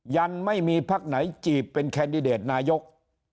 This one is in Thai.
ยังไม่มีพักไหนจีบเป็นแคนดิเดตนายก